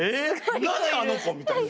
何あの子！みたいな。